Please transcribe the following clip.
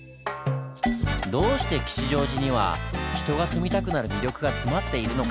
どうして吉祥寺には人が住みたくなる魅力が詰まっているのか？